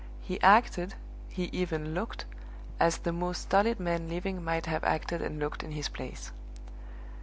He acted, he even looked, as the most stolid man living might have acted and looked in his place.